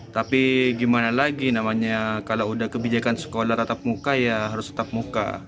tapi gimana lagi namanya kalau udah kebijakan sekolah tatap muka ya harus tetap muka